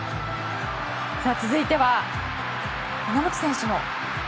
続いては稲本選手の。